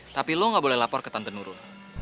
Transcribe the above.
tapi lo gak boleh lapor ke tante nurun